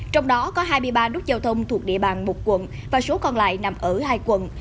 trong đó có hai mươi ba nút giao thông thuộc địa bàn một quận và số còn lại nằm ở hai quận